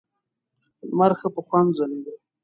لمر ښه په خوند ځلېده.